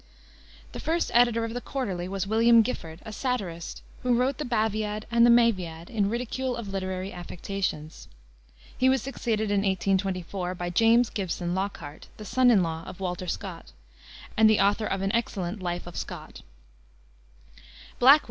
The first editor of the Quarterly was William Gifford, a satirist, who wrote the Baviad and Maeviad in ridicule of literary affectations. He was succeeded in 1824 by James Gibson Lockhart, the son in law of Walter Scott, and the author of an excellent Life of Scott.